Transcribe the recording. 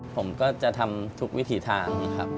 ผมก็จะทำทุกวิถีทางครับ